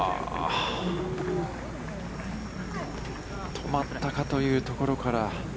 止まったかというところから。